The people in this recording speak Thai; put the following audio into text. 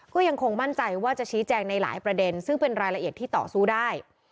ก็ยังคงมั่นใจว่าจะชี้แจงในหลายประเด็นซึ่งเป็นรายละเอียดที่ต่อสู้ได้